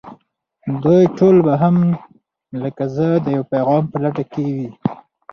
دوی ټول به هم لکه زه د يوه پيغام په لټه کې وي.